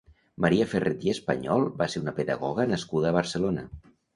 Maria Ferret i Espanyol va ser una pedagoga nascuda a Barcelona.